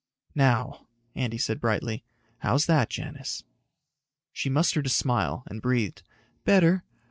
"Now," Andy said brightly, "how's that, Janis?" She mustered a smile, and breathed, "Better.